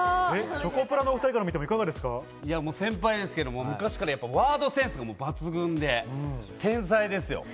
チョコプラのお２人、いかが先輩ですけど、昔からワードセンスが抜群で、天才ですよ。